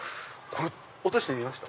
落としてみました？